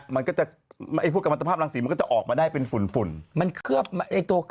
มีใครกล้าถือเลยเถอะ